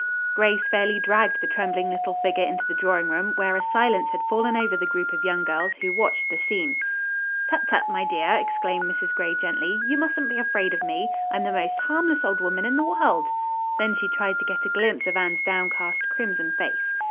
Grace fairly dragged the trembling little figure into the drawing room, where a silence had fallen over the group of young girls who watched the scene. "Tut, tut, my dear!" exclaimed Mrs. Gray gently. "You mustn't be afraid of me. I'm the most harmless old woman in the world." Then she tried to get a glimpse of Anne's downcast, crimson face.